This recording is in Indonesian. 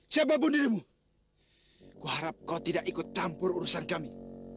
siapapun dirimu kuharap kau tidak ikut campur urusan kami